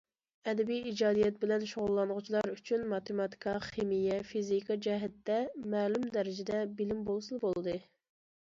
ئەدەبىي ئىجادىيەت بىلەن شۇغۇللانغۇچىلار ئۈچۈن ماتېماتىكا، خىمىيە، فىزىكا جەھەتتە مەلۇم دەرىجىدە بىلىم بولسىلا بولدى.